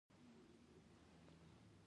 نوي باغوانه جوړ کړي چی ژوند مو ښه سي